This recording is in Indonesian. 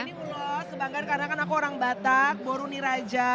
ini ulos kebanggaan karena kan aku orang batak boruni raja